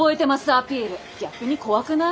アピール逆に怖くない？